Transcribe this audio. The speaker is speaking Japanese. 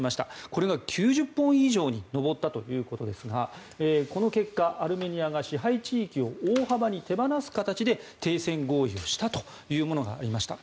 これが９０本以上に上ったということですがこの結果、アルメニアが支配地域を大幅に手放す形で停戦合意をしたというものがありました。